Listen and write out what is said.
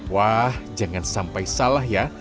wah jangan sampai salah ya